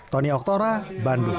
tony oktora bandung